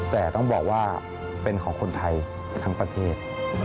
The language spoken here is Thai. แต่ต้องบอกว่าเป็นของคนไทยทั้งประเทศ